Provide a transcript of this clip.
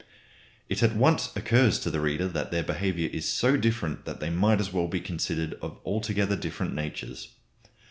It at once occurs to the reader that their behaviour is so different that they might as well be considered of altogether different natures.